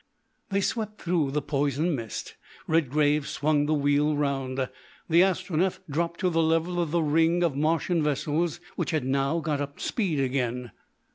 They swept through the poison mist. Redgrave swung the wheel round. The Astronef dropped to the level of the ring of Martian vessels, which had now got up speed again.